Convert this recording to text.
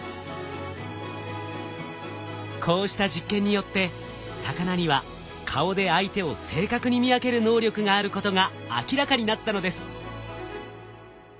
こうした実験によって魚には顔で相手を正確に見分ける能力があることが明らかになったのです。